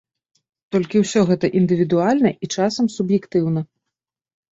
Толькі ўсё гэта індывідуальна і часам суб'ектыўна.